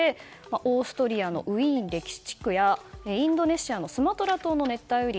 オーストリアのウィーン歴史地区やインドネシアのスマトラ島の熱帯雨林